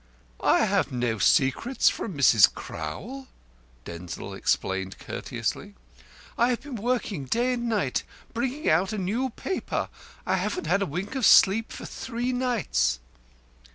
"I have no secrets from Mrs. Crowl," Denzil explained courteously. "I have been working day and night bringing out a new paper. Haven't had a wink of sleep for three nights."